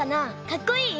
かっこいい？